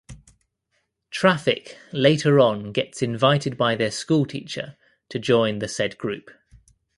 Traffic later on gets invited by their school teacher to join the said group.